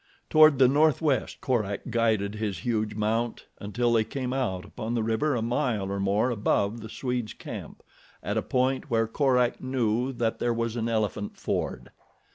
Toward the northwest Korak guided his huge mount, until they came out upon the river a mile or more above the Swede's camp, at a point where Korak knew that there was an elephant ford.